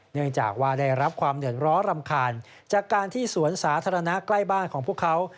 เนื่องจากว่าได้รับความเดือดร้อนรำคาญจากการที่สวนสาธารณะใกล้บ้านของพวกเขา